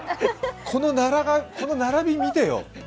この並び、見てよ。